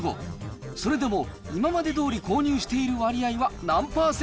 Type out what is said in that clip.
それでも今までどおり購入している割合は何％？